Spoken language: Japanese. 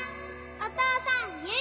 ・お父さん！